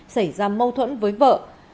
xảy ra mâu thuẫn với vợ